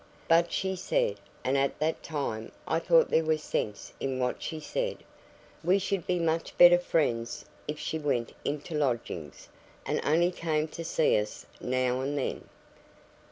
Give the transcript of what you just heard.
But she said (and at the time I thought there was sense in what she said) we should be much better friends if she went into lodgings, and only came to see us now and then."